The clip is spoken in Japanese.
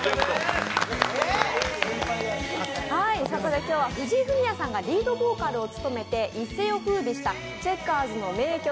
そこで今日は藤井フミヤさんがリードボーカルを務めて一世をふうびしたチェッカーズの名曲